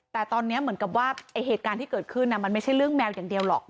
แต่ตอนนี้เหมือนกับว่าเหตุการณ์ที่เกิดขึ้นมันไม่ใช่เรื่องแมวอย่างเดียวหรอก